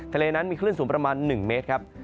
ทะเลนั้นมีคลื่นสูงประมาณ๑เมตรครับ